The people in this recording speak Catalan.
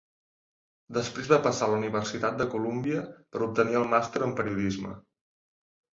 Després va passar a la Universitat de Colúmbia per obtenir el màster en Periodisme.